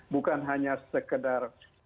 bukan hanya sekedar